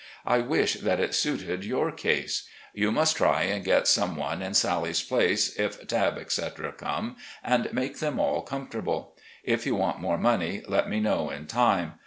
I wish that it suited your case. You must try and get some one in Sally's place if Tabb, etc., come, and make them all comfortable. If you want more money, let me know in time.